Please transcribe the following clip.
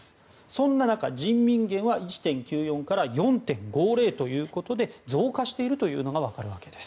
そんな中、人民元は１．９４から４．５０ということで増加しているというのがわかるわけです。